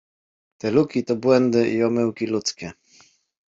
Te luki to błędy i omyłki ludzkie.